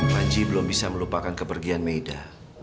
panji belum bisa melupakan kepergian meida